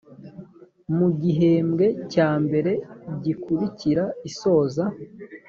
mu gihembwe cya mbere gikurikira isoza